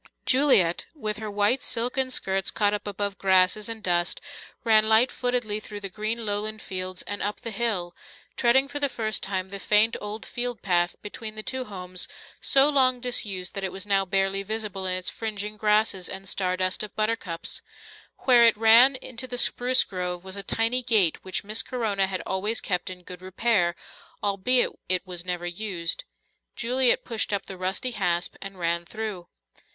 Juliet, with her white silken skirts caught up above grasses and dust, ran light footedly through the green lowland fields and up the hill, treading for the first time the faint old field path between the two homes, so long disused that it was now barely visible in its fringing grasses and star dust of buttercups. Where it ran into the spruce grove was a tiny gate which Miss Corona had always kept in good repair, albeit it was never used. Juliet pushed up the rusty hasp and ran through.